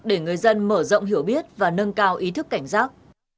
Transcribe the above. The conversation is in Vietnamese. để người dân mở rộng hiểu biết và nâng cao ý thức cảnh giác